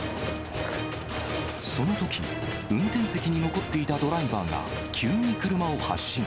そのとき、運転席に残っていたドライバーが、急に車を発進。